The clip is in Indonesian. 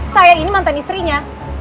saya ini mantan istrinya